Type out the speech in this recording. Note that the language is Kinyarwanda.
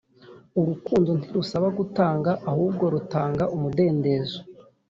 urukundo ntirusaba gutunga, ahubwo rutanga umudendezo.